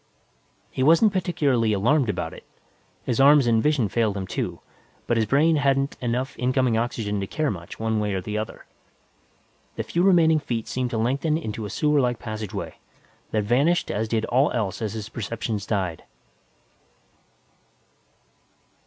He wasn't particularly alarmed about it; his arms and vision failed him too, but his brain hadn't enough incoming oxygen to care much, one way or the other. The few remaining feet seemed to lengthen into a sewerlike passageway, then vanished as did all else as his perceptions died.